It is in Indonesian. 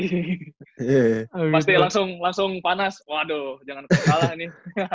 pasti langsung panas waduh jangan kalah nih